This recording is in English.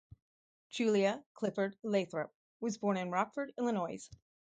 Julia Clifford Lathrop was born in Rockford, Illinois.